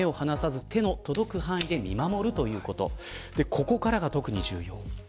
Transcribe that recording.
ここからが特に重要です。